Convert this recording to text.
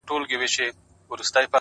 علم د فکرونو نړۍ روښانه کوي’